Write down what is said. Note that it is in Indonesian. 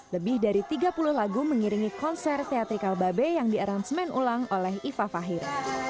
lebih dari tiga puluh lagu mengiringi konser teatrikal babe yang di arrangement ulang oleh iva fahir